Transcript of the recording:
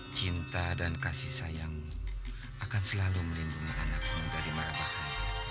cinta dan kasih sayang akan selalu melindungi anakmu dari marabahaya